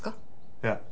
いや。